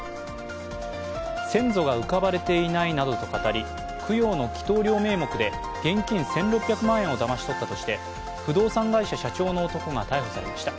先祖が浮かばれていないなどと語り、供養の祈とう料名目で現金１６００万円をだまし取ったとして不動産会社社長の男が逮捕されました。